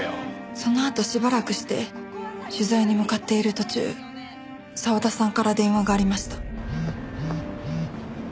そのあとしばらくして取材に向かっている途中澤田さんから電話がありました。